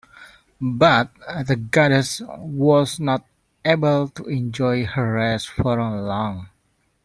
But the goddess was not able to enjoy her rest for long.